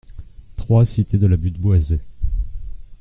trois cité de la Butte Boisée